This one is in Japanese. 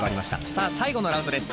さあ最後のラウンドです。